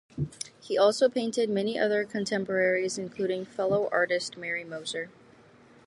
He also painted many other contemporaries, including fellow artist Mary Moser.